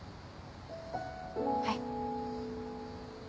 はい。